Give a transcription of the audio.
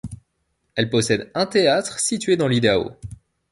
Elle possède un théâtre, situé dans l'Idaho.